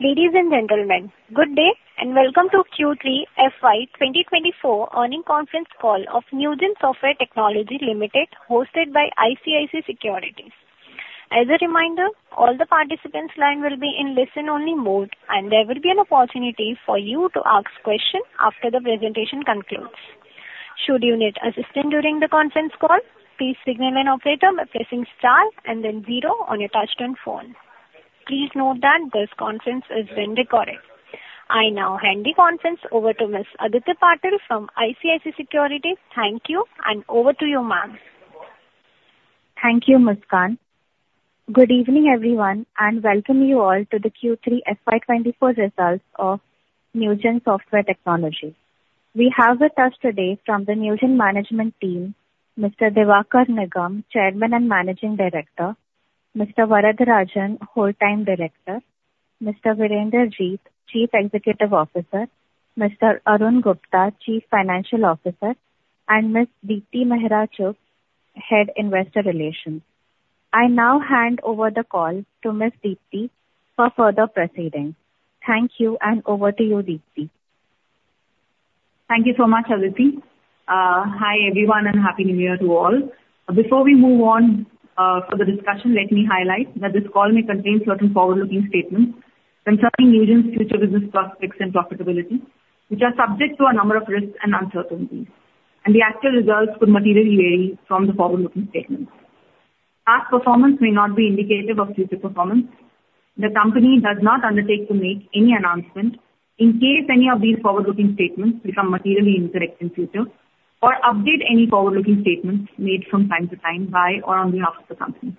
Ladies and gentlemen, good day, and welcome to Q3 FY 2024 earnings conference call of Newgen Software Technologies Limited, hosted by ICICI Securities. As a reminder, all participants' lines will be in listen-only mode, and there will be an opportunity for you to ask questions after the presentation concludes. Should you need assistance during the conference call, please signal an operator by pressing star and then zero on your touch-tone phone. Please note that this conference is being recorded. I now hand the conference over to Ms. Aditi Patil from ICICI Securities. Thank you, and over to you, ma'am. Thank you, Muskan. Good evening, everyone, and welcome you all to the Q3 FY 2024 results of Newgen Software Technologies. We have with us today from the Newgen management team, Mr. Diwakar Nigam, Chairman and Managing Director, Mr. Varadarajan, Whole-time Director, Mr. Virender Jeet, Chief Executive Officer, Mr. Arun Gupta, Chief Financial Officer, and Ms. Deepti Mehra Chugh, Head Investor Relations. I now hand over the call to Ms. Deepti for further proceedings. Thank you, and over to you, Deepti. Thank you so much, Aditi. Hi, everyone, and Happy New Year to all. Before we move on for the discussion, let me highlight that this call may contain certain forward-looking statements concerning Newgen's future business prospects and profitability, which are subject to a number of risks and uncertainties, and the actual results could materially vary from the forward-looking statements. Past performance may not be indicative of future performance. The company does not undertake to make any announcement in case any of these forward-looking statements become materially incorrect in future or update any forward-looking statements made from time to time by or on behalf of the company.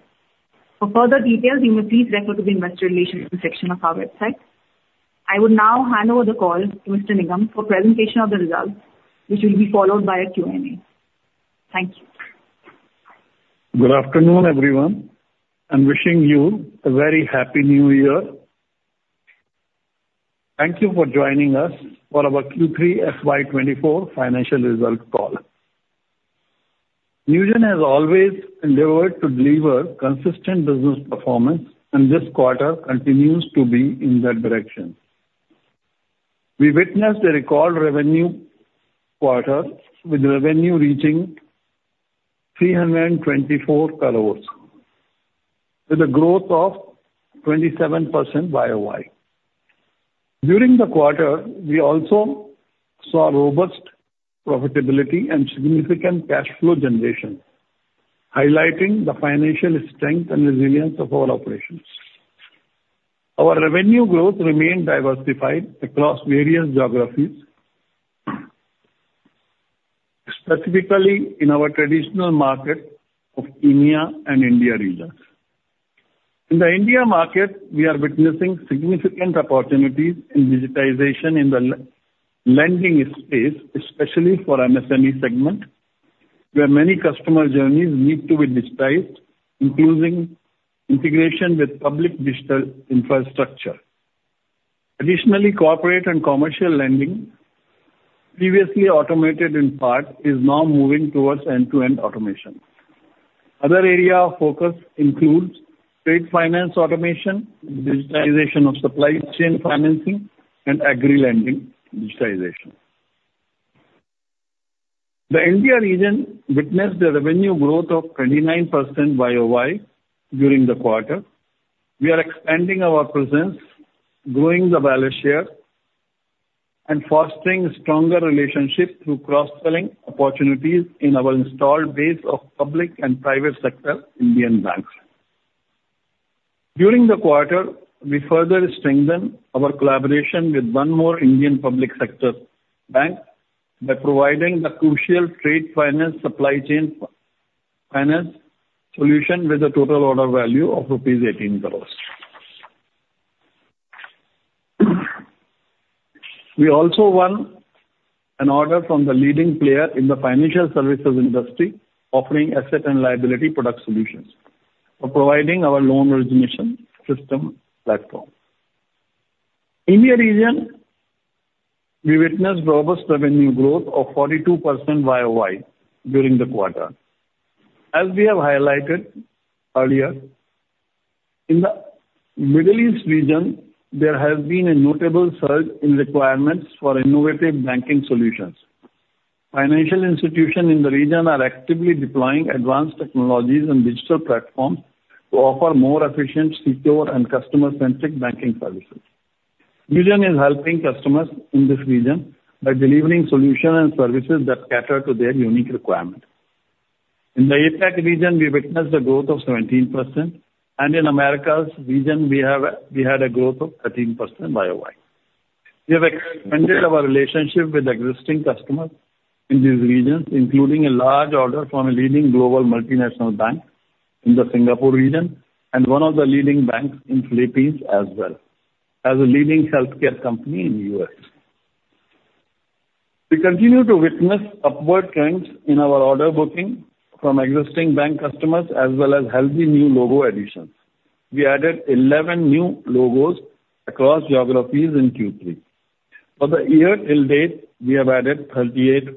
For further details, you may please refer to the investor relations section of our website. I will now hand over the call to Mr. Nigam for presentation of the results, which will be followed by a Q&A. Thank you. Good afternoon, everyone, and wishing you a very Happy New Year. Thank you for joining us for our Q3 FY 2024 financial results call. Newgen has always endeavored to deliver consistent business performance, and this quarter continues to be in that direction. We witnessed a record revenue quarter, with revenue reaching 324 crore, with a growth of 27% YoY. During the quarter, we also saw robust profitability and significant cash flow generation, highlighting the financial strength and resilience of our operations. Our revenue growth remained diversified across various geographies, specifically in our traditional market of EMEA and India regions. In the India market, we are witnessing significant opportunities in digitization in the lending space, especially for MSME segment, where many customer journeys need to be digitized, including integration with public digital infrastructure. Additionally, corporate and commercial lending, previously automated in part, is now moving towards end-to-end automation. Other area of focus includes trade finance automation, digitalization of supply chain financing, and agri lending digitalization. The EMEA region witnessed a revenue growth of 29% YoY during the quarter. We are expanding our presence, growing the value share, and fostering stronger relationships through cross-selling opportunities in our installed base of public and private sector Indian banks. During the quarter, we further strengthened our collaboration with one more Indian public sector bank by providing the crucial trade finance supply chain finance solution with a total order value of rupees 18 crore. We also won an order from the leading player in the financial services industry, offering asset and liability product solutions for providing our Loan Origination System platform. EMEA region, we witnessed robust revenue growth of 42% YoY during the quarter. As we have highlighted earlier, in the Middle East region, there has been a notable surge in requirements for innovative banking solutions. Financial institutions in the region are actively deploying advanced technologies and digital platforms to offer more efficient, secure, and customer-centric banking services. Newgen is helping customers in this region by delivering solutions and services that cater to their unique requirements. In the APAC region, we witnessed a growth of 17%, and in Americas region, we had a growth of 13% YoY. We have expanded our relationship with existing customers in these regions, including a large order from a leading global multinational bank in the Singapore region and one of the leading banks in Philippines as well as a leading healthcare company in U.S. We continue to witness upward trends in our order booking from existing bank customers as well as healthy new logo additions. We added 11 new logos across geographies in Q3. For the year till date, we have added 38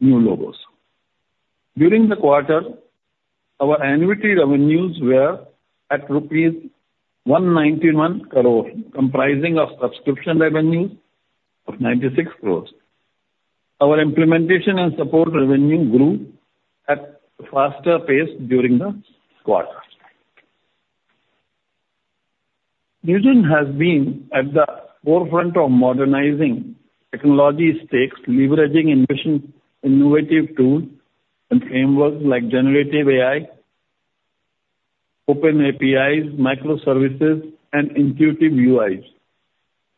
new logos. During the quarter, our annuity revenues were at rupees 191 crores, comprising of subscription revenue of 96 crores. Our implementation and support revenue grew at a faster pace during the quarter. Newgen has been at the forefront of modernizing technology stakes, leveraging innovation, innovative tools and frameworks like generative AI, open APIs, microservices, and intuitive UIs.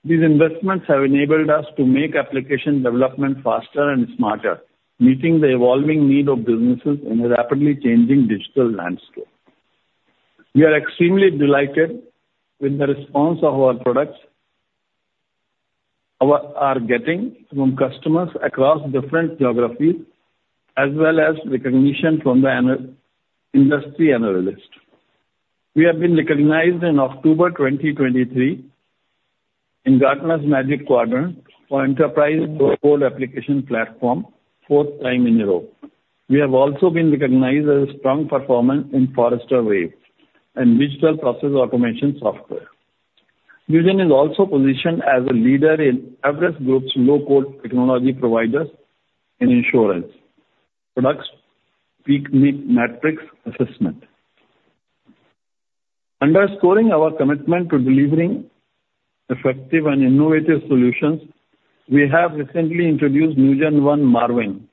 These investments have enabled us to make application development faster and smarter, meeting the evolving needs of businesses in a rapidly changing digital landscape. We are extremely delighted with the response our products are getting from customers across different geographies, as well as recognition from the industry analyst. We have been recognized in October 2023 in Gartner's Magic Quadrant for Enterprise Low-Code Application Platform, fourth time in a row. We have also been recognized as a Strong Performer in Forrester Wave and digital process automation software. Newgen is also positioned as a leader in Everest Group's Low-Code Technology Providers in Insurance products PEAK Matrix Assessment. Underscoring our commitment to delivering effective and innovative solutions, we have recently introduced NewgenONE Marvin.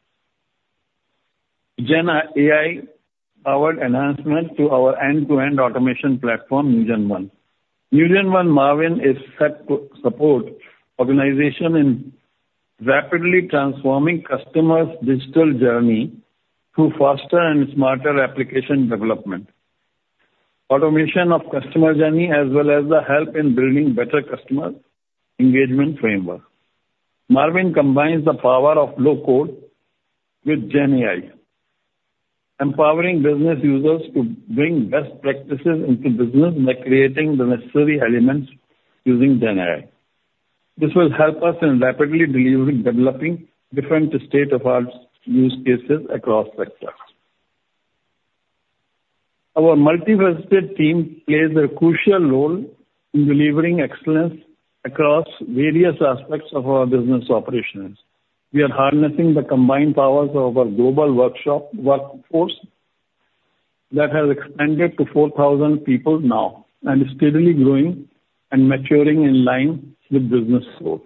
Gen AI-powered enhancement to our end-to-end automation platform, NewgenONE. NewgenONE Marvin is set to support organization in rapidly transforming customers' digital journey through faster and smarter application development, automation of customer journey, as well as the help in building better customer engagement framework. Marvin combines the power of low-code with Gen AI, empowering business users to bring best practices into business by creating the necessary elements using Gen AI. This will help us in rapidly delivering, developing different state-of-the-art use cases across sectors. Our multifaceted team plays a crucial role in delivering excellence across various aspects of our business operations. We are harnessing the combined powers of our global workforce that has expanded to 4,000 people now and is steadily growing and maturing in line with business growth.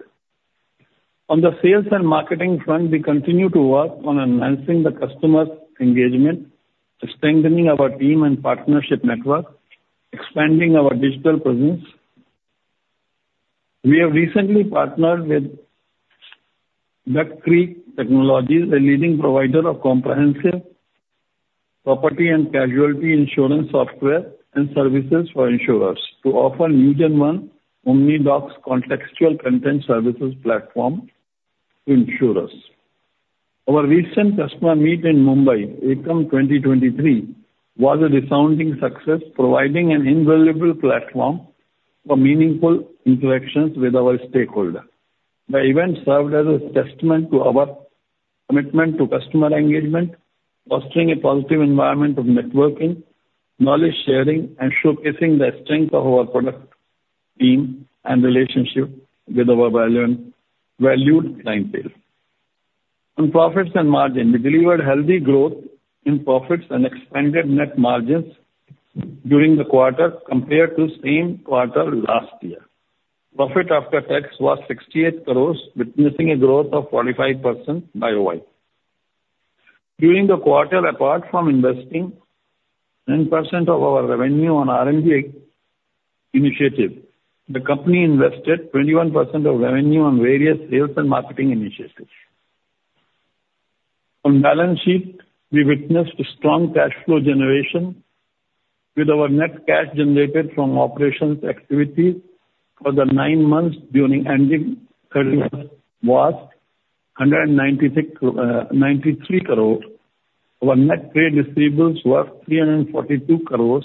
On the sales and marketing front, we continue to work on enhancing the customer engagement, strengthening our team and partnership network, expanding our digital presence. We have recently partnered with Duck Creek Technologies, a leading provider of comprehensive property and casualty insurance, software, and services for insurers to offer NewgenONE OmniDocs Contextual Content Services platform to insurers. Our recent customer meet in Mumbai, EkAM 2023, was a resounding success, providing an invaluable platform for meaningful interactions with our stakeholder. The event served as a testament to our commitment to customer engagement, fostering a positive environment of networking, knowledge sharing, and showcasing the strength of our product, team, and relationship with our valued, valued clientele. On profits and margin, we delivered healthy growth in profits and expanded net margins during the quarter compared to same quarter last year. Profit after tax was 68 crore, witnessing a growth of 45% YoY. During the quarter, apart from investing 10% of our revenue on R&D initiative, the company invested 21% of revenue on various sales and marketing initiatives. On balance sheet, we witnessed a strong cash flow generation, with our net cash generated from operations activities for the nine months during ending quarter was 196.93 crore. Our net trade receivables were 342 crore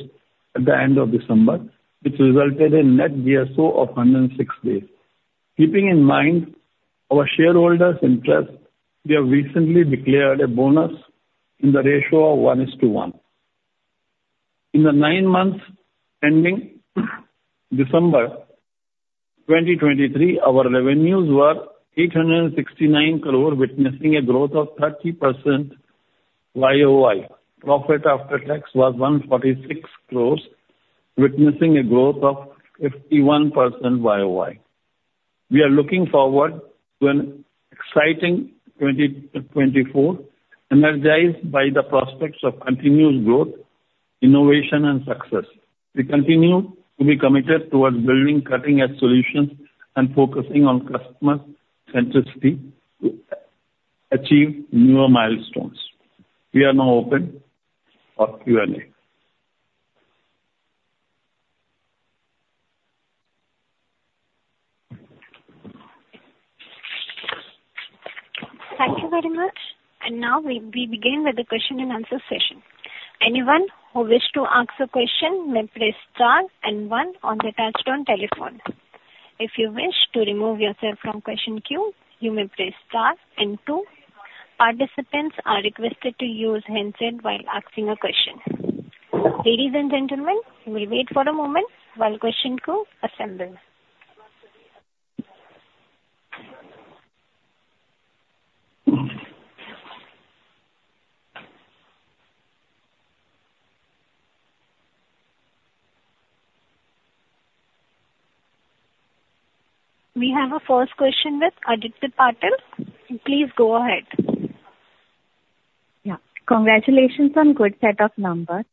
at the end of December, which resulted in net DSO of 106 days. Keeping in mind our shareholders' interest, we have recently declared a bonus in the ratio of 1:1. In the 9 months ending December 2023, our revenues were 869 crore, witnessing a growth of 30% YoY. Profit after tax was 146 crore, witnessing a growth of 51% YoY. We are looking forward to an exciting 2024, energized by the prospects of continuous growth, innovation, and success. We continue to be committed towards building cutting-edge solutions and focusing on customer centricity to achieve newer milestones. We are now open for Q&A. Thank you very much. Now we begin with the question and answer session. Anyone who wish to ask a question may press star and one on the touchtone telephone. If you wish to remove yourself from question queue, you may press star and two. Participants are requested to use handset while asking a question. Ladies and gentlemen, we'll wait for a moment while question queue assembles. We have a first question with Aditi Patil. Please go ahead. Yeah. Congratulations on good set of numbers.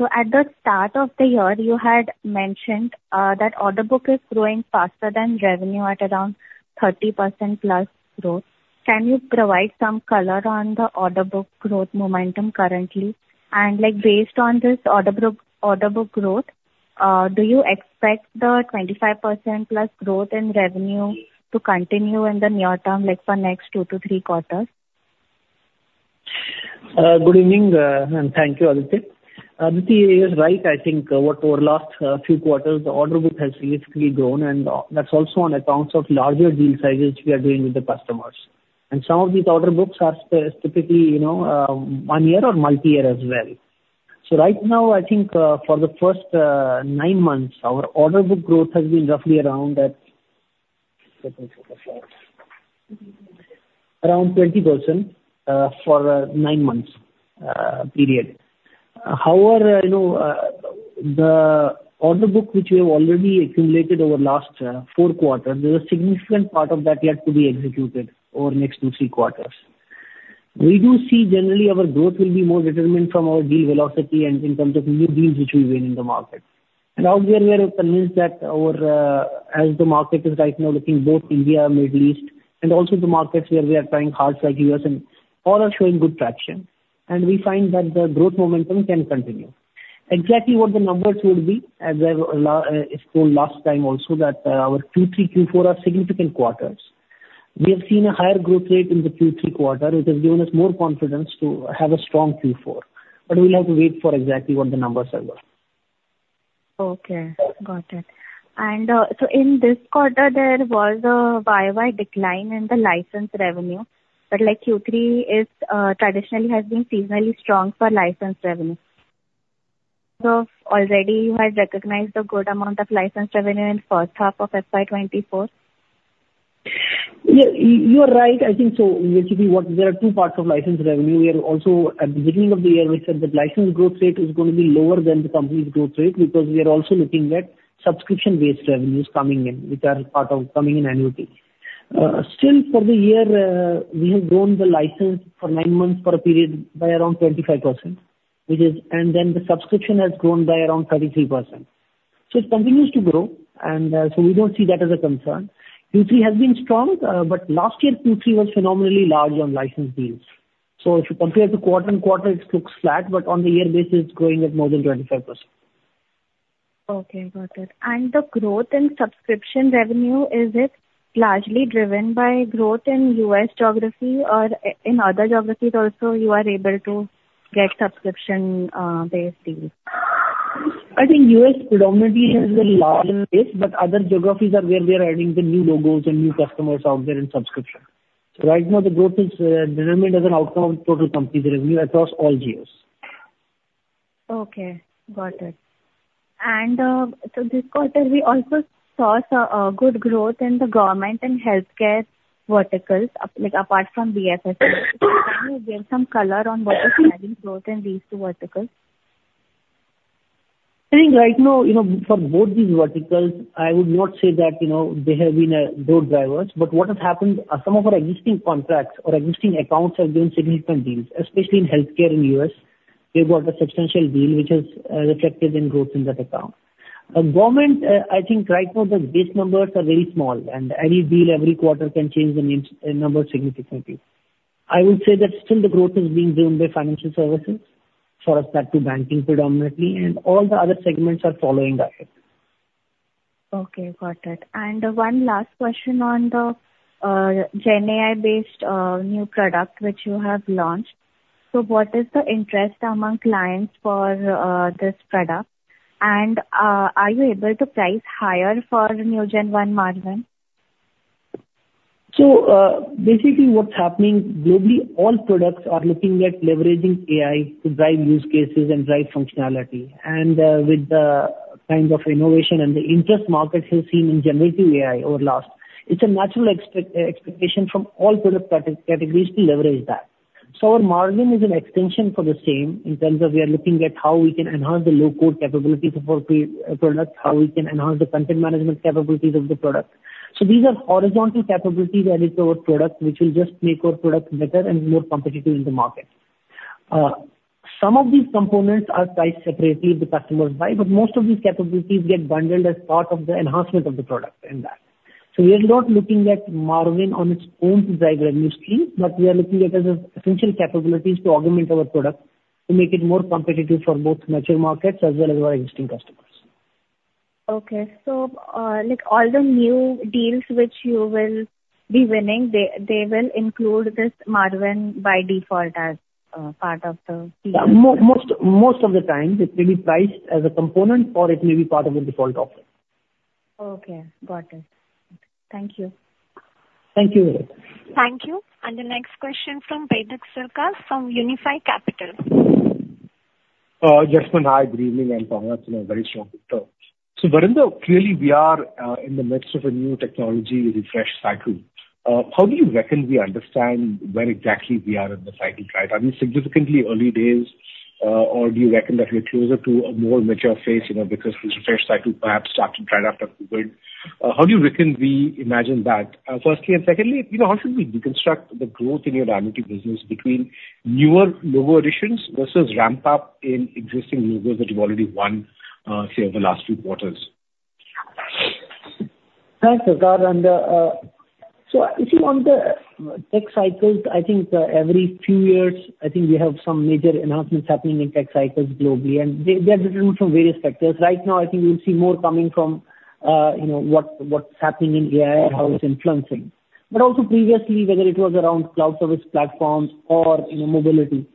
At the start of the year, you had mentioned that order book is growing faster than revenue at around 30%+ growth. Can you provide some color on the order book growth momentum currently? And, like, based on this order book, order book growth, do you expect the 25%+ growth in revenue to continue in the near term, like for next 2-3 quarters? Good evening, and thank you, Aditi. Aditi, you're right. I think over the last few quarters, the order book has significantly grown, and that's also on accounts of larger deal sizes we are doing with the customers. And some of these order books are specifically, you know, one year or multi-year as well. So right now, I think, for the first nine months, our order book growth has been roughly around 20%, for the nine months period. However, you know, the order book which we have already accumulated over last four quarters, there's a significant part of that yet to be executed over next two, three quarters. We do see generally our growth will be more determined from our deal velocity and in terms of new deals which we win in the market. And obviously, we are convinced that our, as the market is right now looking both India and Middle East, and also the markets where we are trying hard, like US and all are showing good traction. And we find that the growth momentum can continue. Exactly what the numbers will be, as I've explained last time also, that, our Q3, Q4 are significant quarters. We have seen a higher growth rate in the Q3 quarter, which has given us more confidence to have a strong Q4, but we'll have to wait for exactly what the numbers are there. Okay, got it. And, so in this quarter, there was a YoY decline in the license revenue, but like Q3 is traditionally has been seasonally strong for license revenue. So already you had recognized a good amount of license revenue in first half of FY 2024? Yeah, you are right. I think so, basically, what... There are two parts of license revenue. We are also, at the beginning of the year, we said that license growth rate is going to be lower than the company's growth rate, because we are also looking at subscription-based revenues coming in, which are part of coming in annually. Still, for the year, we have grown the license for nine months for a period by around 25%, which is, and then the subscription has grown by around 33%. So it continues to grow, and, so we don't see that as a concern. Q3 has been strong, but last year, Q3 was phenomenally large on license deals. So if you compare the quarter and quarter, it looks flat, but on the year basis, it's growing at more than 25%. Okay, got it. And the growth in subscription revenue, is it largely driven by growth in U.S. geography or in other geographies also, you are able to get subscription based deals? I think U.S. predominantly has a large base, but other geographies are where we are adding the new logos and new customers out there in subscription. So right now, the growth is determined as an outcome of total company revenue across all geos. Okay, got it. And, so this quarter, we also saw good growth in the government and healthcare verticals, like, apart from BFSI. Can you give some color on what is driving growth in these two verticals? I think right now, you know, for both these verticals, I would not say that, you know, they have been growth drivers. But what has happened are some of our existing contracts or existing accounts have been significant deals, especially in healthcare in U.S. We've got a substantial deal which is reflected in growth in that account. Government, I think right now the base numbers are very small, and any deal every quarter can change the means, number significantly. I would say that still the growth is being driven by financial services, for us, that be banking predominantly, and all the other segments are following that. Okay, got it. And one last question on the GenAI-based new product which you have launched. So what is the interest among clients for this product? And are you able to price higher for NewgenONE Marvin? So, basically what's happening, globally, all products are looking at leveraging AI to drive use cases and drive functionality. And, with the kind of innovation and the interest markets have seen in generative AI over last, it's a natural expectation from all product categories to leverage that. So our Marvin is an extension for the same in terms of we are looking at how we can enhance the low-code capabilities of our pre, products, how we can enhance the content management capabilities of the product. So these are horizontal capabilities added to our product, which will just make our product better and more competitive in the market. Some of these components are priced separately if the customers buy, but most of these capabilities get bundled as part of the enhancement of the product in that. We are not looking at margin on its own to drive revenue stream, but we are looking at it as essential capabilities to augment our product, to make it more competitive for both mature markets as well as our existing customers. ... Okay. So, like all the new deals which you will be winning, they, they will include this Marvin by default as part of the deal? Most of the time, it may be priced as a component, or it may be part of a default offer. Okay, got it. Thank you. Thank you. Thank you. The next question from Baidik Sarkar from Unifi Capital. [Gentlemen], hi, good evening. I'm coming up in a very short term. So, Virender, clearly we are in the midst of a new technology refresh cycle. How do you reckon we understand where exactly we are in the cycle, right? I mean, significantly early days, or do you reckon that we're closer to a more mature phase, you know, because this refresh cycle perhaps started right after COVID. How do you reckon we imagine that, firstly? And secondly, you know, how should we deconstruct the growth in your dynamic business between newer logo additions versus ramp up in existing logos that you've already won, say, over the last few quarters? Thanks, Sarkar. And, so if you on the, tech cycles, I think, every few years, I think we have some major announcements happening in tech cycles globally, and they, they are different from various factors. Right now, I think you'll see more coming from, you know, what, what's happening in AI and how it's influencing. But also previously, whether it was around cloud service platforms or, you know, mobility.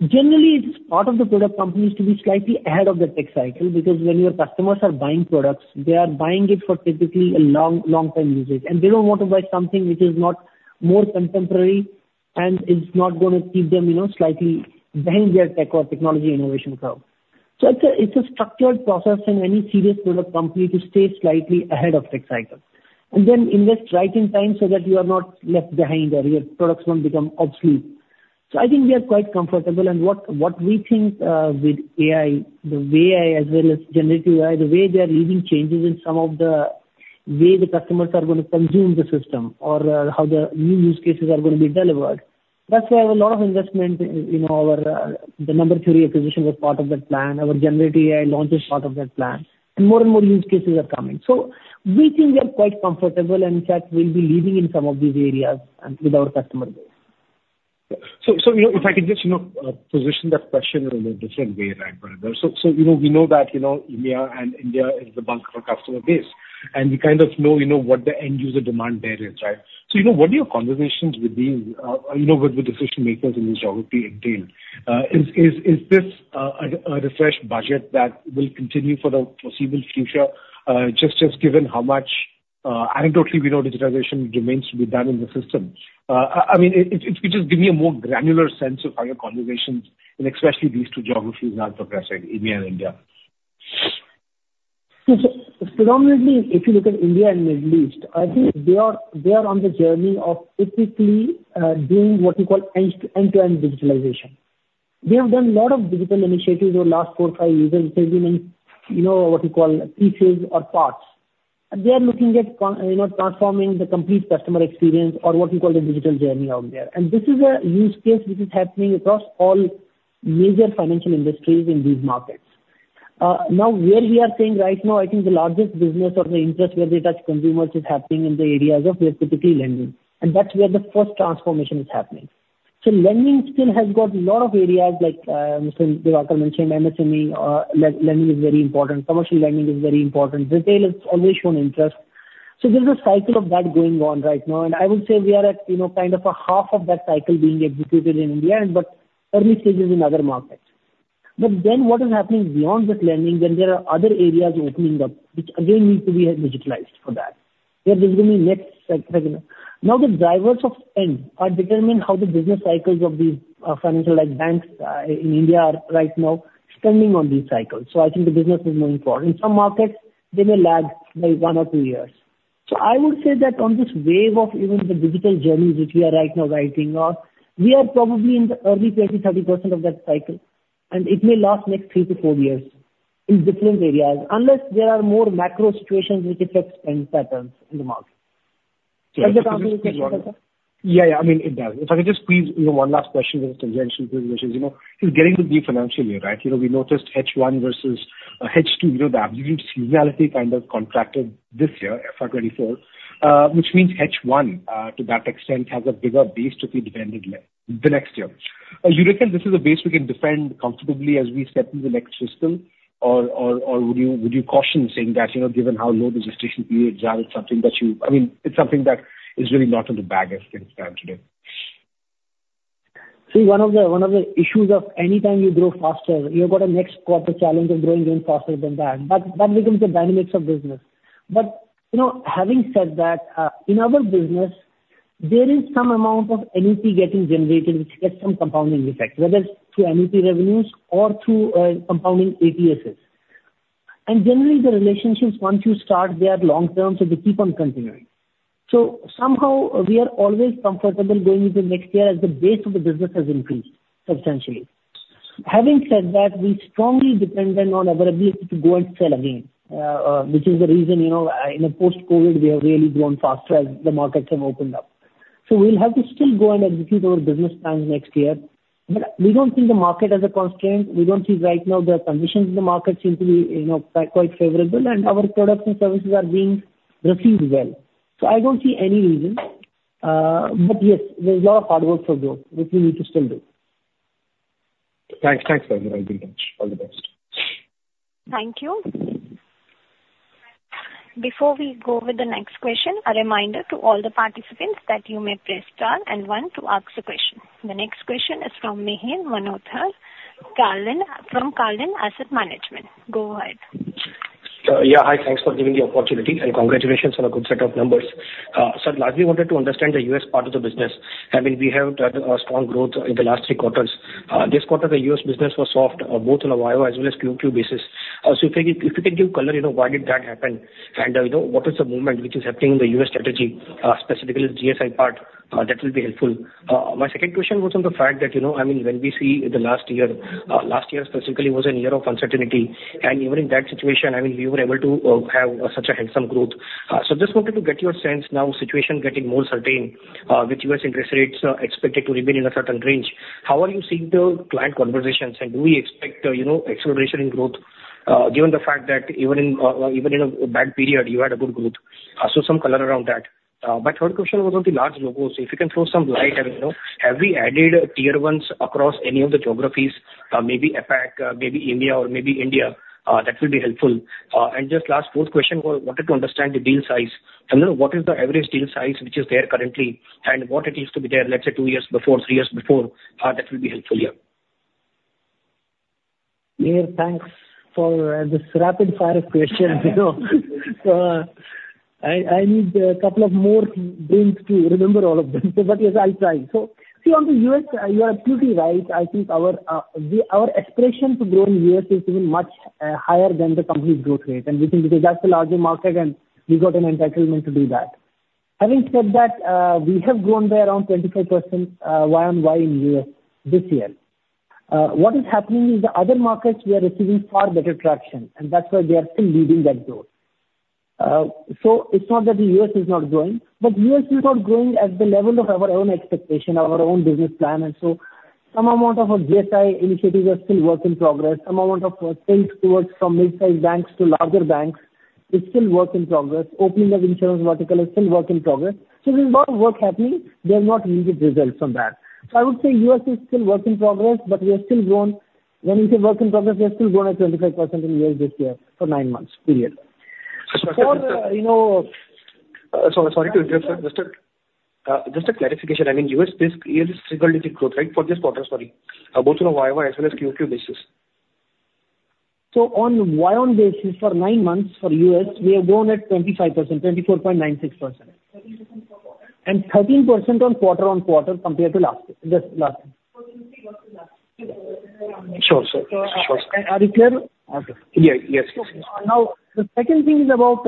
Generally, it's part of the product companies to be slightly ahead of the tech cycle. Because when your customers are buying products, they are buying it for typically a long, long time usage, and they don't want to buy something which is not more contemporary, and it's not gonna keep them, you know, slightly behind their tech or technology innovation curve. So it's a structured process in any serious product company to stay slightly ahead of tech cycle and then invest right in time so that you are not left behind or your products won't become obsolete. So I think we are quite comfortable and what we think with AI, the way AI as well as generative AI, the way they are leading changes in some of the way the customers are gonna consume the system or how the new use cases are gonna be delivered. That's why a lot of investment in, you know, our the Number Theory acquisition was part of that plan. Our generative AI launch is part of that plan, and more and more use cases are coming. So we think we are quite comfortable and, in fact, we'll be leading in some of these areas with our customer base. You know, if I could just position that question in a different way, right, Virender. So, you know, we know that, you know, EMEA and India is the bulk of our customer base, and we kind of know, you know, what the end user demand there is, right? So, you know, what are your conversations with these, you know, with the decision makers in this geography again? Is this a refresh budget that will continue for the foreseeable future, just given how much anecdotally we know digitization remains to be done in the system? I mean, if you just give me a more granular sense of how your conversations in especially these two geographies are progressing, EMEA and India. So predominantly, if you look at India and Middle East, I think they are on the journey of typically doing what you call end-to-end digitalization. They have done a lot of digital initiatives over the last four or five years, and it has been in, you know, what you call pieces or parts. And they are looking at, you know, transforming the complete customer experience or what you call the digital journey out there. And this is a use case which is happening across all major financial industries in these markets. Now, where we are seeing right now, I think the largest business or the interest where we touch consumers is happening in the areas of typically lending, and that's where the first transformation is happening. So lending still has got a lot of areas like, so like I mentioned, MSME, lending is very important. Commercial lending is very important. Retail has always shown interest. So there's a cycle of that going on right now, and I would say we are at, you know, kind of a half of that cycle being executed in India, but early stages in other markets. But then what is happening beyond that lending, then there are other areas opening up, which again, need to be digitalized for that. They're basically next segment. Now, the drivers of spend are determining how the business cycles of these financial, like banks, in India are right now spending on these cycles. So I think the business is moving forward. In some markets, they may lag by one or two years. So I would say that on this wave of even the digital journeys which we are right now riding on, we are probably in the early 20%-30% of that cycle, and it may last next 3-4 years in different areas, unless there are more macro situations which affect spend patterns in the market. Does that answer your question? Yeah, yeah. I mean, it does. If I could just squeeze, you know, one last question within relation to, you know, it's getting to be financial year, right? You know, we noticed H1 versus H2, you know, the seasonality kind of contracted this year, FY 2024. Which means H1, to that extent, has a bigger base to be defended later the next year. You reckon this is a base we can defend comfortably as we step into the next system? Or would you caution saying that, you know, given how low the registration periods are, it's something that you... I mean, it's something that is really not in the bag as things stand today. See, one of the, one of the issues of anytime you grow faster, you've got a next quarter challenge of growing even faster than that. That, that becomes the dynamics of business. But, you know, having said that, in our business, there is some amount of annuity getting generated, which gets some compounding effect, whether it's through annuity revenues or through, compounding ATSs. And generally, the relationships, once you start, they are long-term, so they keep on continuing. So somehow we are always comfortable going into next year as the base of the business has increased substantially. Having said that, we strongly dependent on our ability to go and sell again, which is the reason, you know, in the post-COVID, we have really grown faster as the markets have opened up. So we'll have to still go and execute our business plans next year, but we don't see the market as a constraint. We don't see right now the conditions in the market seem to be, you know, quite, quite favorable, and our products and services are being received well. So I don't see any reason, but yes, there's a lot of hard work to do, which we need to still do. Thanks, thanks, thank you very much. All the best. Thank you. Before we go with the next question, a reminder to all the participants that you may press star and one to ask the question. The next question is from Mihir Manohar, Carnelian, from Carnelian Asset Management. Go ahead. Yeah, hi, thanks for giving the opportunity, and congratulations on a good set of numbers. So lastly, wanted to understand the U.S. part of the business. I mean, we have had strong growth in the last three quarters. This quarter, the U.S. business was soft, both on a YoY as well as QoQ basis. So if you can give color, you know, why did that happen? And, you know, what is the movement which is happening in the U.S. strategy, specifically the GSI part, that will be helpful. My second question was on the fact that, you know, I mean, when we see the last year, last year specifically was a year of uncertainty, and even in that situation, I mean, we were able to have such a handsome growth. So just wanted to get your sense now, situation getting more certain, with U.S. interest rates are expected to remain in a certain range. How are you seeing the client conversations, and do we expect, you know, acceleration in growth, given the fact that even in, even in a bad period, you had a good growth? So some color around that. My third question was on the large logos. If you can throw some light on, you know, have we added tier ones across any of the geographies, maybe APAC, maybe India or maybe India, that will be helpful. And just last, fourth question, was, I wanted to understand the deal size. I don't know what is the average deal size which is there currently, and what it used to be there, let's say two years before, three years before, that will be helpful, yeah. Mihir, thanks for this rapid fire of questions, you know? So, I need a couple of more drinks to remember all of them, but yes, I'll try. So see, on the U.S., you are absolutely right. I think our aspiration to grow in U.S. is even much higher than the company's growth rate, and we think because that's the larger market, and we've got an entitlement to do that. Having said that, we have grown by around 25% YoY in U.S. this year. What is happening is the other markets, we are receiving far better traction, and that's why we are still leading that growth. So it's not that the U.S. is not growing, but U.S. is not growing at the level of our own expectation, our own business plan, and so some amount of our GSI initiatives are still work in progress. Some amount of tilt towards from mid-sized banks to larger banks is still work in progress. Opening of insurance vertical is still work in progress. So there's a lot of work happening. We have not received results from that. So I would say U.S. is still work in progress, but we have still grown. When you say work in progress, we have still grown at 25% in U.S. this year for nine months, period. You know... So sorry to interrupt, sir. Just a, just a clarification. I mean, U.S. business is significant growth, right? For this quarter, sorry, both on a YoY as well as QoQ basis. On YoY basis for nine months for U.S., we have grown at 25%, 24.96%. 13% for quarter. 13% on quarter-over-quarter compared to last year, this last year. 14% versus last year. Sure, sure, sure. Are we clear? Okay. Yeah. Yes, yes, yes. Now, the second thing is about,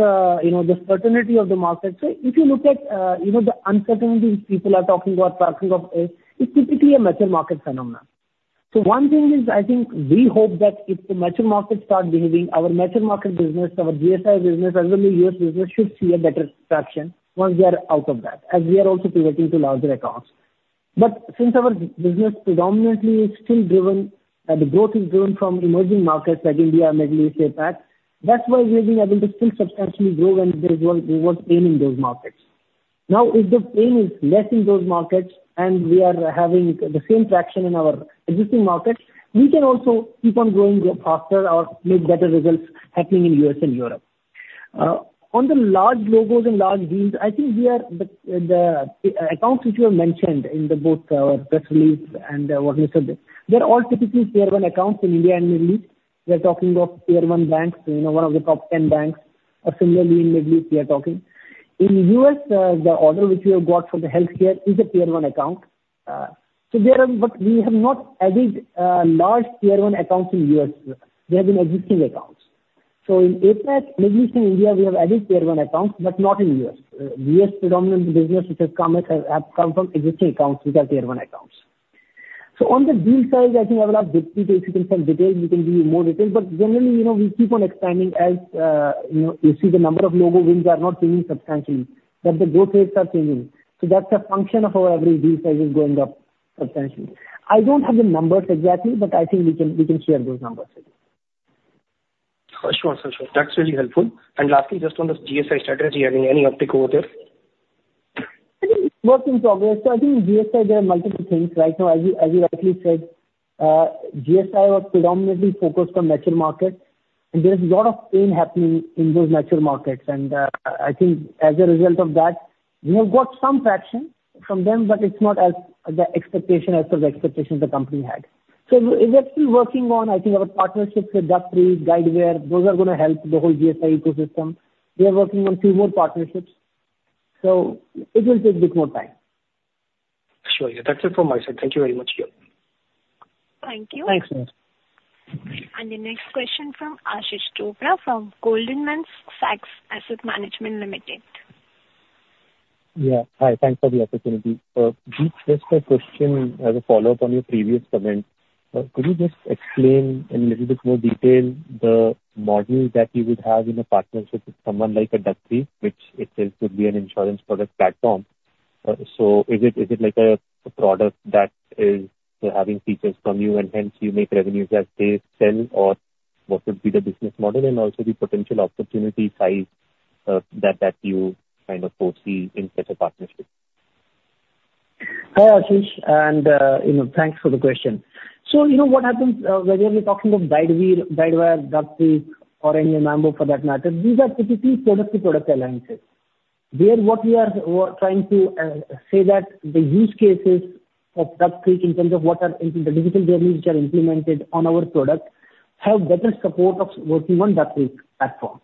you know, the certainty of the market. So if you look at, you know, the uncertainty which people are talking about, talking of is, it's typically a mature market phenomenon. So one thing is, I think we hope that if the mature markets start behaving, our mature market business, our GSI business, as well as U.S. business, should see a better traction once we are out of that, as we are also pivoting to larger accounts. But since our business predominantly is still driven, the growth is driven from emerging markets like India, Middle East, APAC, that's why we have been able to still substantially grow when there is, worse pain in those markets. Now, if the pain is less in those markets and we are having the same traction in our existing markets, we can also keep on growing faster or make better results happening in U.S. and Europe. On the large logos and large deals, I think we are the accounts which you have mentioned in the both press release and what we said, they're all typically Tier One accounts in India and Middle East. We are talking about Tier One banks, you know, one of the top ten banks or similarly in Middle East, we are talking. In U.S., the order which we have got for the healthcare is a Tier One account. So there are. But we have not added large Tier One accounts in U.S., they have been existing accounts. So in APAC, Middle East, and India, we have added Tier One accounts, but not in U.S. U.S. predominant business, which has come as, come from existing accounts, which are Tier One accounts. So on the deal size, I think I will have Deepti, if you can share details, we can give you more details, but generally, you know, we keep on expanding as, you know, you see the number of logo wins are not changing substantially, but the growth rates are changing. So that's a function of our average deal size is going up substantially. I don't have the numbers exactly, but I think we can, we can share those numbers with you. Sure, sure, sure. That's really helpful. And lastly, just on the GSI strategy, I mean, any uptick over there? I think it's work in progress. So I think GSI, there are multiple things right now. As you, as you rightly said, GSI are predominantly focused on mature markets, and there is a lot of pain happening in those mature markets. And I think as a result of that, we have got some traction from them, but it's not as the expectation, as per the expectation the company had. So we're still working on, I think, our partnerships with Duck Creek, Guidewire, those are gonna help the whole GSI ecosystem. We are working on few more partnerships, so it will take a bit more time. Sure, yeah. That's it from my side. Thank you very much, yeah. Thank you. Thanks much. The next question from Ashish Chopra, from Goldman Sachs Asset Management Limited. Yeah. Hi, thanks for the opportunity. Just a question as a follow-up on your previous comment. Could you just explain in little bit more detail the model that you would have in a partnership with someone like a Duck Creek, which it says could be an insurance product platform? So is it, is it like a, a product that is having features from you, and hence you make revenues as they sell, or what would be the business model and also the potential opportunity size, that, that you kind of foresee in such a partnership? Hi, Ashish, and, you know, thanks for the question. So you know what happens, whether we're talking of Guidewire, Guidewire, Duck Creek, or any other, for that matter, these are typically product to product alliances. There, what we are, we're trying to say that the use cases of Duck Creek in terms of what are in the digital journeys which are implemented on our product, have better support of working on Duck Creek platform.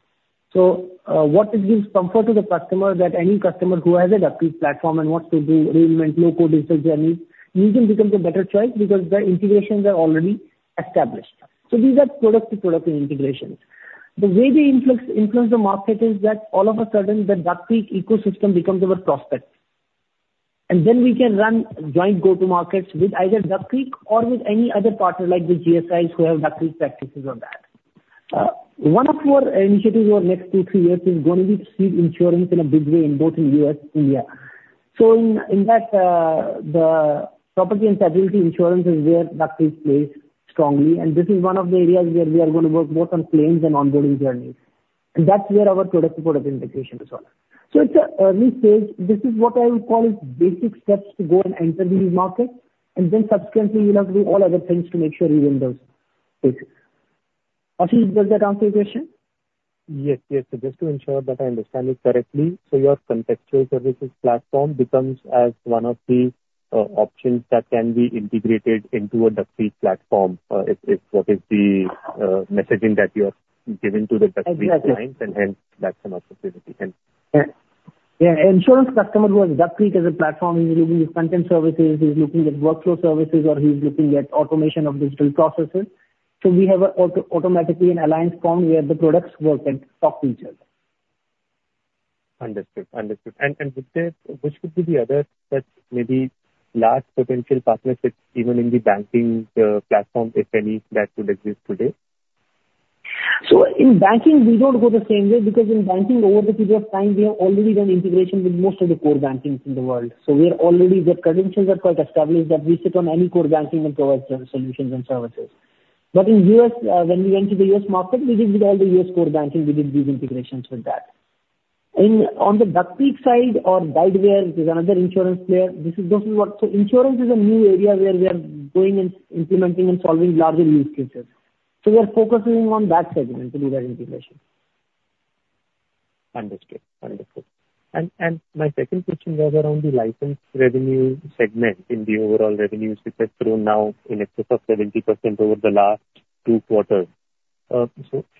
So, what it gives comfort to the customer, that any customer who has a Duck Creek platform and wants to implement low-code digital journey, usually becomes a better choice because the integrations are already established. So these are product-to-product integrations. The way they influence the market is that all of a sudden, the Duck Creek ecosystem becomes our prospect, and then we can run joint go-to markets with either Duck Creek or with any other partner, like the GSIs who have Duck Creek practices on that. One of our initiatives over the next 2-3 years is going to be to seek insurance in a big way in both U.S., India. So in that, the property and casualty insurance is where Duck Creek plays strongly, and this is one of the areas where we are gonna work both on claims and onboarding journeys. And that's where our product-to-product integration is on. So it's a early stage. This is what I would call basic steps to go and enter these markets, and then subsequently, we'll have to do all other things to make sure we win those. Ashish, does that answer your question? Yes, yes. So just to ensure that I understand it correctly, so your contextual services platform becomes as one of the options that can be integrated into a Duck Creek platform, is what is the messaging that you have given to the Duck Creek clients- Exactly. and that's an opportunity and Yeah. Yeah, insurance customer who has Duck Creek as a platform, he's looking at content services, he's looking at workflow services, or he's looking at automation of digital processes. So we have an automatically formed alliance where the products work and talk to each other. Understood. Understood. And, and would there, which could be the other that maybe large potential partnerships, even in the banking platform, if any, that would exist today? So in banking, we don't go the same way, because in banking, over the period of time, we have already done integration with most of the core bankings in the world. So we are already, the credentials are quite established that we sit on any core banking and provide solutions and services. But in U.S., when we went to the U.S. market, we visited all the U.S. core banking, we did these integrations with that. In, on the Duck Creek side or Guidewire, which is another insurance player, this is, this is what... So insurance is a new area where we are going and implementing and solving larger use cases. So we are focusing on that segment to do that integration. Understood. Understood. And, and my second question was around the license revenue segment in the overall revenues, which has grown now in excess of 70% over the last two quarters. So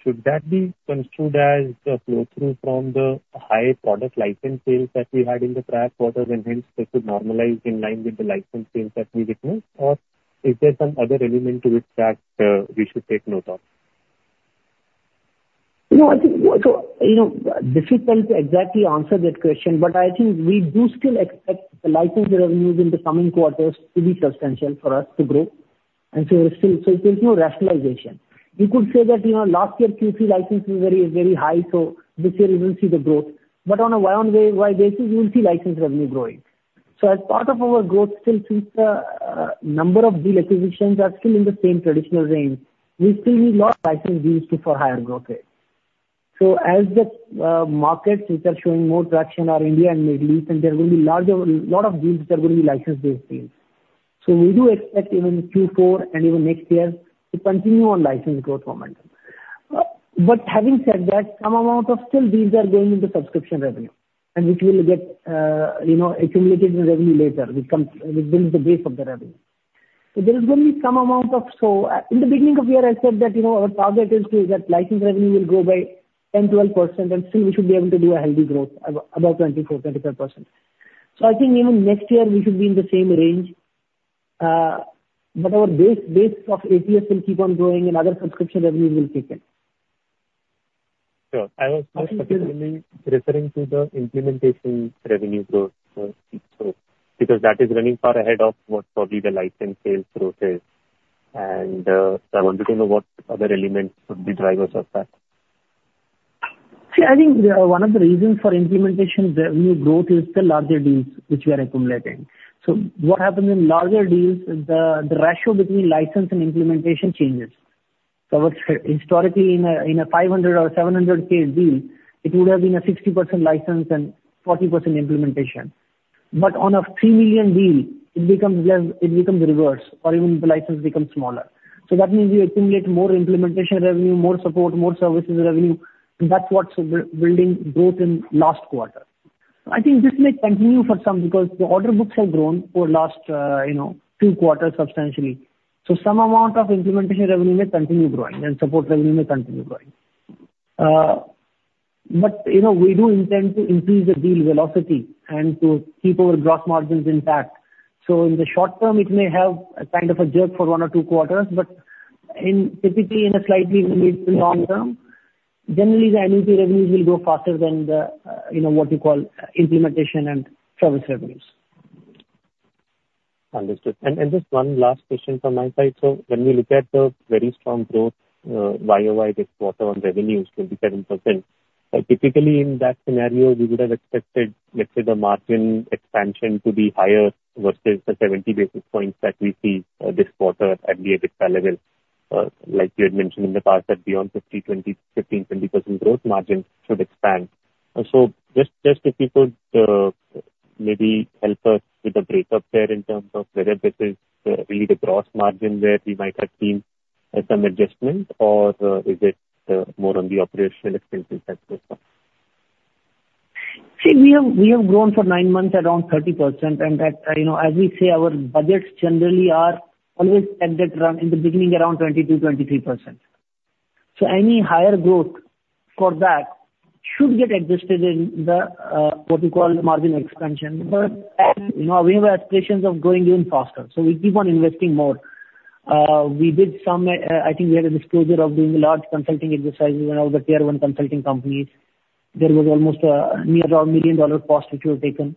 should that be construed as a flow-through from the high product license sales that we had in the prior quarters, and hence, they should normalize in line with the license sales that we witnessed? Or is there some other element to it that we should take note of? You know, I think, so, you know, difficult to exactly answer that question, but I think we do still expect the license revenues in the coming quarters to be substantial for us to grow. And so, so there's no rationalization. You could say that, you know, last year Q3 license was very, very high, so this year you will see the growth. But on a year-on-year wide basis, you will see license revenue growing. So as part of our growth still since, number of deal acquisitions are still in the same traditional range, we still need lot of license deals to for higher growth rate. So as the, markets which are showing more traction are India and Middle East, and there will be larger, lot of deals that are going to be license-based deals. So we do expect even in Q4 and even next year, to continue on license growth momentum. But having said that, some amount of still deals are going into subscription revenue, and which will get, you know, accumulated in revenue later, becomes, it builds the base of the revenue. So there is going to be some amount of... So, in the beginning of the year, I said that, you know, our target is to, that license revenue will grow by 10%-12%, and still we should be able to do a healthy growth, about 24%-25%. So I think even next year we should be in the same range. But our base, base of ATS will keep on growing and other subscription revenue will kick in. Sure. I was specifically referring to the implementation revenue growth, because that is running far ahead of what probably the license sales growth is. So, I wanted to know what other elements could be drivers of that? See, I think, one of the reasons for implementation revenue growth is the larger deals which we are accumulating. So what happens in larger deals is the, the ratio between license and implementation changes. So historically, in a, in a 500 or 700 case deal, it would have been a 60% license and 40% implementation. But on a 3 million deal, it becomes less, it becomes reverse, or even the license becomes smaller. So that means we accumulate more implementation revenue, more support, more services revenue, and that's what's building growth in last quarter. I think this may continue for some, because the order books have grown over the last, you know, 2 quarters substantially. So some amount of implementation revenue may continue growing, and support revenue may continue growing. But, you know, we do intend to increase the deal velocity and to keep our gross margins intact. So in the short term, it may have a kind of a jerk for one or two quarters, but typically in a slightly medium to long term, generally the AMC revenues will grow faster than the, you know, what you call implementation and service revenues. Understood. And just one last question from my side. So when we look at the very strong growth YoY this quarter on revenues, 27%, typically in that scenario, we would have expected, let's say, the margin expansion to be higher versus the 70 basis points that we see this quarter at the EBITDA level. Like you had mentioned in the past, that beyond 50%, 20%, 15%, 20% growth, margins should expand. And so just if you could maybe help us with the breakup there, in terms of whether this is really the gross margin where we might have seen some adjustment, or is it more on the operational expenses side as well? See, we have grown for nine months around 30%, and that, you know, as we say, our budgets generally are always at that run in the beginning, around 22%-23%. So any higher growth for that should get adjusted in the, what we call margin expansion. But, you know, we have aspirations of growing even faster, so we keep on investing more. We did some, I think we had a disclosure of doing a large consulting exercise with one of the Tier One consulting companies. There was almost, near $1 million cost, which we have taken.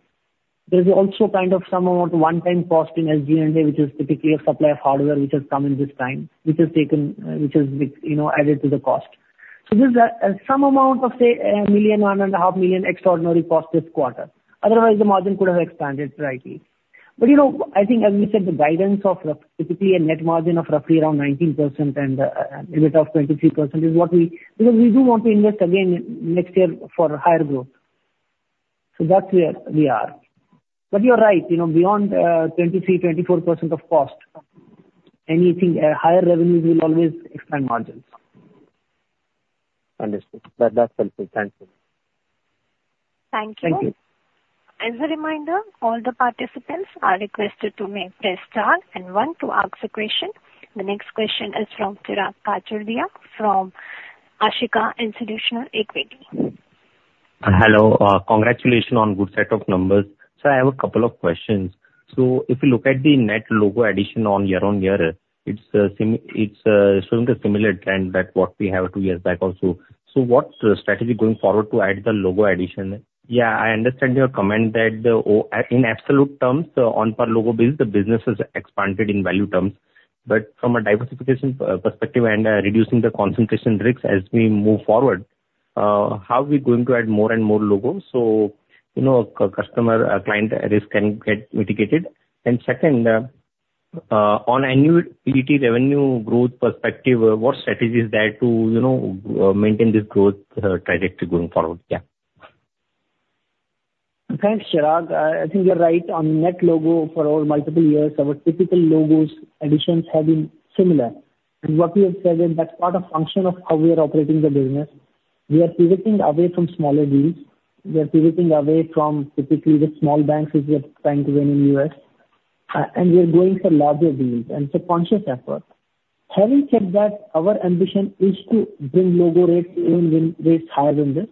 There is also kind of some amount, one-time cost in SG&A, which is typically a supply of hardware, which has come in this time, which has taken, which has been, you know, added to the cost. So there's some amount of, say, 1 million, 1.5 million extraordinary cost this quarter. Otherwise, the margin could have expanded slightly. But, you know, I think as we said, the guidance of roughly typically a net margin of roughly around 19% and a bit of 23% is what we... Because we do want to invest again next year for higher growth. So that's where we are. But you're right, you know, beyond 23%-24% of cost, anything higher revenues will always expand margins. Understood. That, that's helpful. Thank you. Thank you. Thank you. As a reminder, all the participants are requested to press star and one to ask a question. The next question is from Chirag Kachhadiya from Ashika Institutional Equity. Hello. Congratulations on good set of numbers. So I have a couple of questions. So if you look at the net logo addition on year-on-year, it's showing a similar trend that what we have two years back also. So what's the strategy going forward to add the logo addition? Yeah, I understand your comment that in absolute terms, on per logo base, the business has expanded in value terms. But from a diversification perspective and reducing the concentration risks as we move forward, how are we going to add more and more logos so, you know, customer client risk can get mitigated? And second, on annual annuity revenue growth perspective, what strategy is there to, you know, maintain this growth trajectory going forward? Yeah. Thanks, Chirag. I think you're right on net logo for over multiple years. Our typical logos additions have been similar. And what we have said is that's part of function of how we are operating the business. We are pivoting away from smaller deals. We are pivoting away from typically the small banks which we are trying to win in the U.S., and we are going for larger deals, and it's a conscious effort. Having said that, our ambition is to bring logo rates, win- win rates higher than this.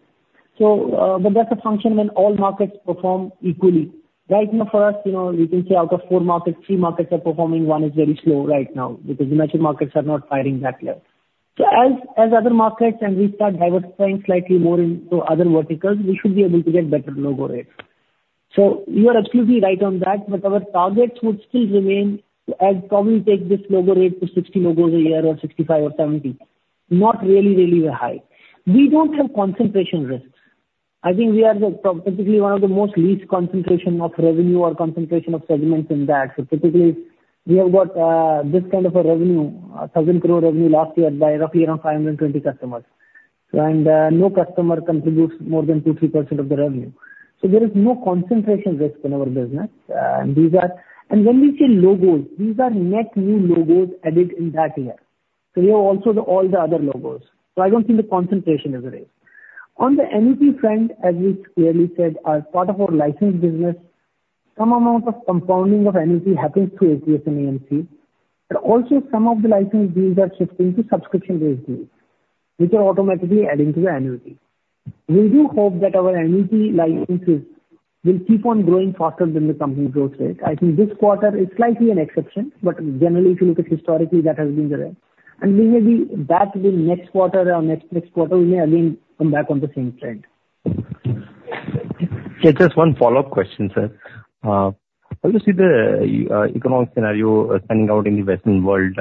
So, but that's a function when all markets perform equally. Right now, for us, you know, you can say out of four markets, three markets are performing, one is very slow right now because the mature markets are not firing that well. So as other markets and we start diversifying slightly more into other verticals, we should be able to get better logo rates. So you are absolutely right on that, but our targets would still remain, as I probably take this logo rate to 60 logos a year, or 65 or 70, not really, really high. We don't have concentration risks. I think we are particularly one of the most least concentration of revenue or concentration of segments in that. So particularly, we have got this kind of a revenue, 1,000 crore revenue last year by roughly around 520 customers. And no customer contributes more than 2%-3% of the revenue. So there is no concentration risk in our business. And when we say logos, these are net new logos added in that year. So we have also the all the other logos. So I don't think the concentration is a risk. On the annuity front, as we clearly said, as part of our license business, some amount of compounding of annuity happens through ATS and AMC, but also some of the license deals are shifting to subscription-based deals, which are automatically adding to the annuity. We do hope that our annuity licenses will keep on growing faster than the company growth rate. I think this quarter is slightly an exception, but generally, if you look at historically, that has been the trend. And we may be back in next quarter or next, next quarter, we may again come back on the same trend. Okay, just one follow-up question, sir. How do you see the economic scenario panning out in the Western world?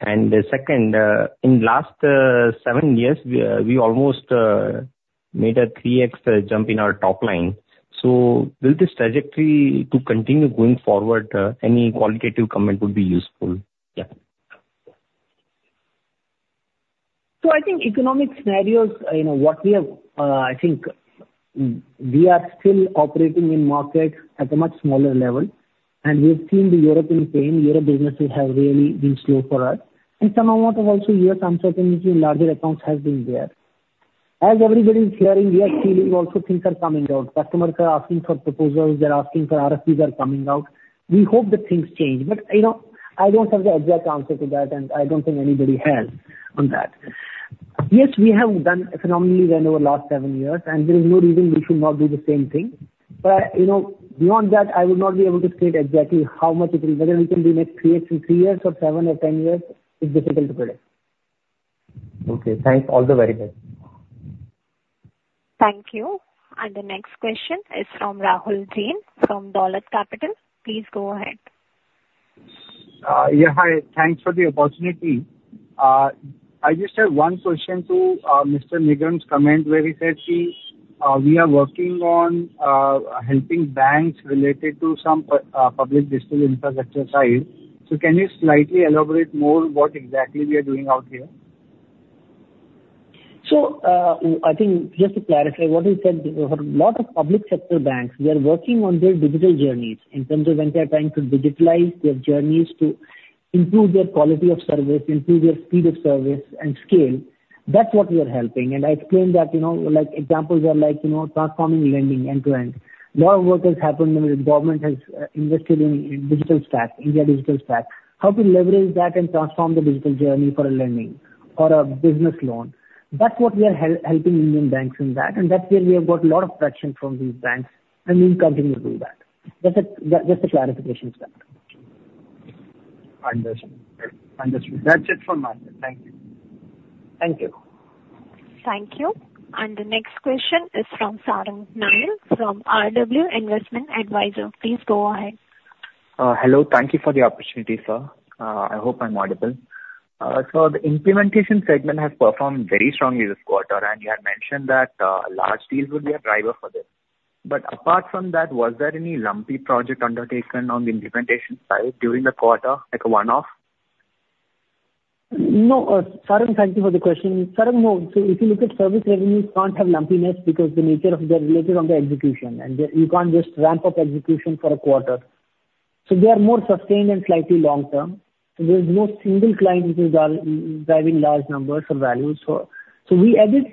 And second, in last seven years, we almost made a 3x jump in our top line. So will this trajectory to continue going forward, any qualitative comment would be useful? Yeah. So I think economic scenarios, you know, what we have, I think, we are still operating in markets at a much smaller level, and we've seen the European pain. Europe businesses have really been slow for us. And some amount of also here, uncertainty in larger accounts has been there. As everybody is hearing, we are seeing also things are coming out. Customers are asking for proposals, they're asking for RFPs are coming out. We hope that things change, but, you know, I don't have the exact answer to that, and I don't think anybody has on that. Yes, we have done economically well in our last seven years, and there is no reason we should not do the same thing. But, you know, beyond that, I would not be able to state exactly how much it will, whether we can be next 3x in 3 years or 7years or 10 years. It's difficult to predict. Okay, thanks. All the very best. Thank you. And the next question is from Rahul Jain, from Dolat Capital. Please go ahead. Yeah, hi. Thanks for the opportunity. I just have one question to Mr. Nigam's comment, where he said we are working on helping banks related to some public digital infrastructure side. So can you slightly elaborate more what exactly we are doing out here? So, I think just to clarify what you said, for a lot of public sector banks, we are working on their digital journeys in terms of when they are trying to digitalize their journeys to improve their quality of service, improve their speed of service and scale. That's what we are helping. And I explained that, you know, like, examples are like, you know, transforming lending end to end. Lot of work has happened and the government has invested in digital stack, India digital stack. How to leverage that and transform the digital journey for a lending or a business loan, that's what we are helping Indian banks in that. And that's where we have got a lot of traction from these banks, and we'll continue to do that. Just a clarification, sir. Understood. Understood. That's it for me. Thank you. Thank you. Thank you. And the next question is from Sarang Sanil, from RW Investment Advisors. Please go ahead. Hello. Thank you for the opportunity, sir. I hope I'm audible. So the implementation segment has performed very strongly this quarter, and you have mentioned that large deals would be a driver for this. But apart from that, was there any lumpy project undertaken on the implementation side during the quarter, like a one-off? No. Sarang, thank you for the question. Sarang, no. So if you look at service revenues, can't have lumpiness because the nature of they're related on the execution, and you can't just ramp up execution for a quarter. So they are more sustained and slightly long term. There's no single client which is driving large numbers or values. So, so we added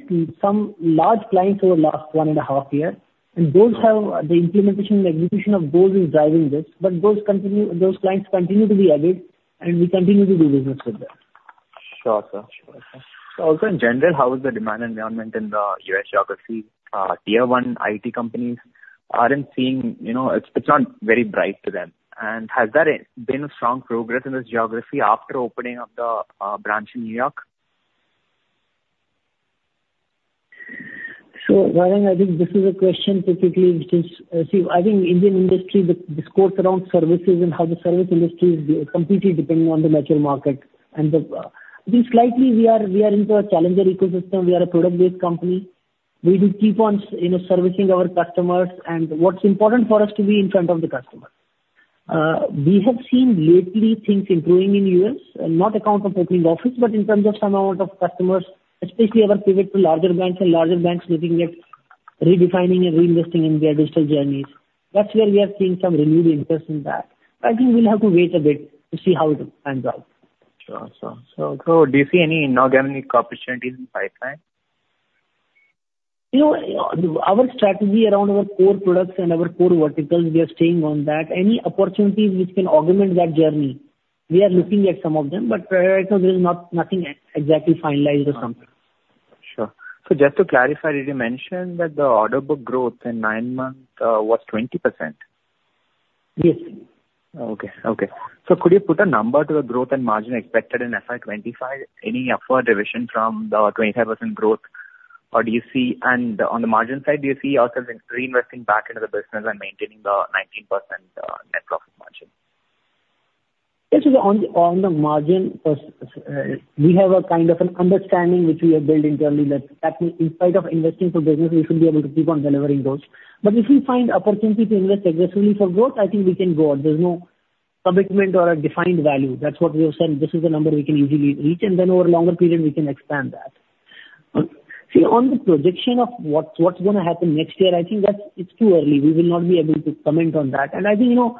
some large clients over the last 1.5 years, and those have the implementation and execution of those is driving this, but those continue—those clients continue to be added, and we continue to do business with them. Sure, sir. Sure, sir. So also in general, how is the demand environment in the U.S. geography? Tier one IT companies aren't seeing, you know... It's, it's not very bright to them. And has there been a strong progress in this geography after opening up the branch in New York? So, Sarang, I think this is a question typically which is, I think Indian industry, the discourse around services and how the service industry is completely dependent on the mature market. And, I think slightly we are, we are into a challenger ecosystem. We are a product-based company. We will keep on, you know, servicing our customers, and what's important for us to be in front of the customer. We have seen lately things improving in U.S., not account of opening office, but in terms of some amount of customers, especially our pivot to larger banks and larger banks looking at redefining and reinvesting in their digital journeys. That's where we are seeing some renewed interest in that. I think we'll have to wait a bit to see how it pans out. Sure, sir. So, do you see any inorganic growth opportunities in the pipeline? You know, our strategy around our core products and our core verticals, we are staying on that. Any opportunities which can augment that journey, we are looking at some of them, but, right now there's nothing exactly finalized or something. Sure. So just to clarify, did you mention that the order book growth in nine months was 20%? Yes. Okay. Okay. So could you put a number to the growth and margin expected in FY 2025? Any upward revision from the 25% growth, or do you see... And on the margin side, do you see yourselves reinvesting back into the business and maintaining the 19% net profit margin? Yes. So on the, on the margin, we have a kind of an understanding which we have built internally that, that in spite of investing for business, we should be able to keep on delivering those. But if we find opportunity to invest aggressively for growth, I think we can go on. There's no commitment or a defined value. That's what we have said, this is the number we can easily reach, and then over a longer period we can expand that. See, on the projection of what's, what's gonna happen next year, I think that's, it's too early. We will not be able to comment on that. And I think, you know,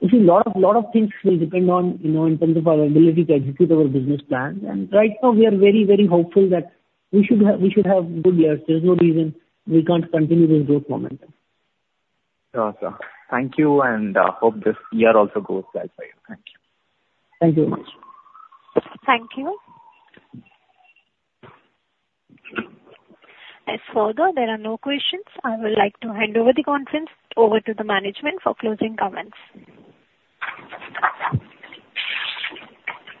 you see a lot of, lot of things will depend on, you know, in terms of our ability to execute our business plan. Right now we are very, very hopeful that we should have, we should have good years. There's no reason we can't continue this growth momentum. Sure, sir. Thank you, and hope this year also goes well for you. Thank you. Thank you very much. Thank you. As there are no further questions, I would like to hand over the conference to the management for closing comments.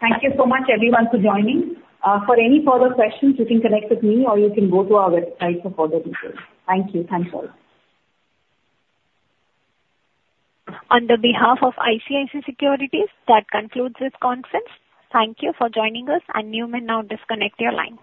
Thank you so much everyone for joining. For any further questions, you can connect with me or you can go to our website for further details. Thank you. Thanks all. On behalf of ICICI Securities, that concludes this conference. Thank you for joining us, and you may now disconnect your lines.